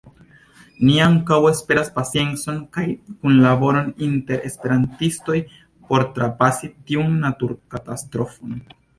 Ni ankaŭ esperas paciencon kaj kunlaboron inter esperantistoj por trapasi tiun naturkatastrofon.